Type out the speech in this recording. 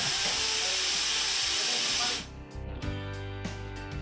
kepala komunikasi kopi dongeng kopi